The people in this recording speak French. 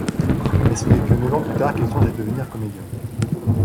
Mais ce n’est que neuf ans plus tard qu’il songe à devenir comédien.